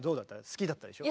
好きだったでしょ？